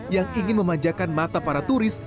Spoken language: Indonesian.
yang ingin memanjakan mata para turis